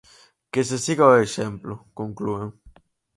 "Que se siga o exemplo", conclúen.